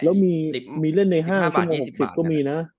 แล้วมีเล่นใน๕ชั่วโมง๖๐ก็มีนะ